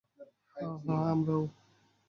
হ্যাঁ, হ্যাঁ, আমারও।